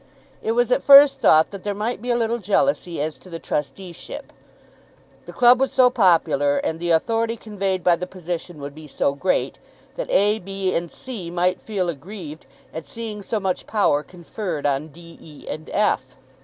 It was at first thought that there might be a little jealousy as to the trusteeship. The club was so popular and the authority conveyed by the position would be so great, that A, B, and C might feel aggrieved at seeing so much power conferred on D, E, and F.